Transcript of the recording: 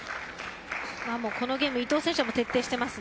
このゲーム伊藤選手は徹底しています。